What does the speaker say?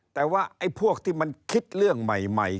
แต่ว่าไอ้พวกที่มันคิดเรื่องใหม่